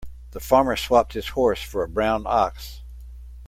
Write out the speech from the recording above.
The farmer swapped his horse for a brown ox.